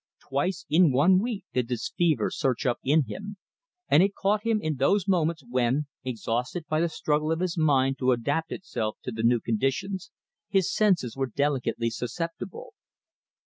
Twice in one week did this fever surge up in him, and it caught him in those moments when, exhausted by the struggle of his mind to adapt itself to the new conditions, his senses were delicately susceptible.